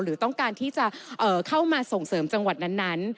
หรือต้องการที่จะเข้ามาส่งเสริมจังหวัดนั้น